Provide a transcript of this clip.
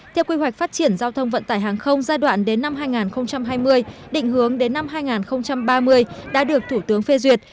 theo quy hoạch phát triển giao thông vận tải hàng không giai đoạn đến năm hai nghìn hai mươi định hướng đến năm hai nghìn ba mươi đã được thủ tướng phê duyệt